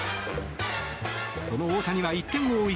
その大谷は１点を追う